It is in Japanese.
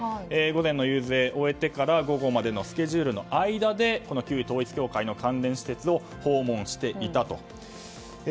午前の遊説を終えて午後までのスケジュールの間で旧統一教会の関連施設を訪問していたと。